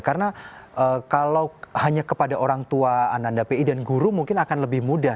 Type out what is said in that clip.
karena kalau hanya kepada orang tua anak anak pi dan guru mungkin akan lebih mudah